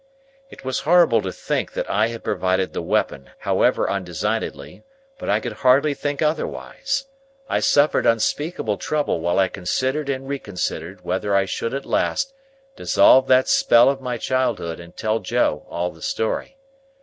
It was horrible to think that I had provided the weapon, however undesignedly, but I could hardly think otherwise. I suffered unspeakable trouble while I considered and reconsidered whether I should at last dissolve that spell of my childhood and tell Joe all the story.